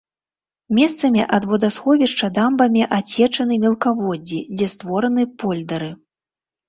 Месцамі ад вадасховішча дамбамі адсечаны мелкаводдзі, дзе створаны польдэры.